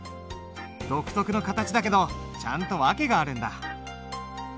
独特の形だけどちゃんと訳があるんだ。